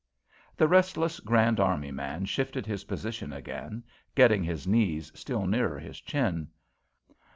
The restless Grand Army man shifted his position again, getting his knees still nearer his chin.